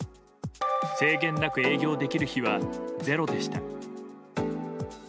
制限なく営業できる日はゼロでした。